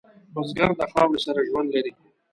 بزګر د خاورې سره ژوند لري